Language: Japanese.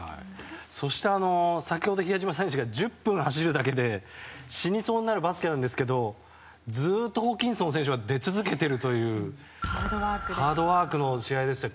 そして、先ほど比江島選手がおっしゃってた１０分走るだけで死にそうになるバスケなんですけどずっとホーキンソン選手は出続けているというハードワークの試合でした。